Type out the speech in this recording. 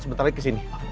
sebentar lagi kesini